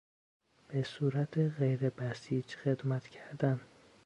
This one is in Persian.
به صورت غیر بسیج خدمت کردن